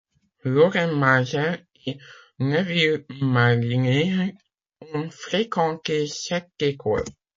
Lorin Maazel et Neville Marriner ont fréquenté cette école.